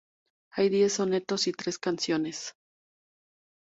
Hay diez sonetos y tres canciones.